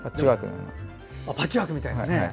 パッチワークみたいな。